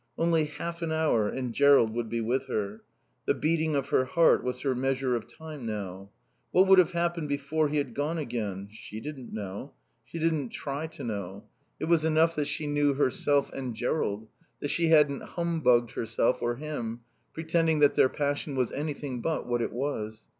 Only half an hour and Jerrold would be with her. The beating of her heart was her measure of time now. What would have happened before he had gone again? She didn't know. She didn't try to know. It was enough that she knew herself, and Jerrold; that she hadn't humbugged herself or him, pretending that their passion was anything but what it was.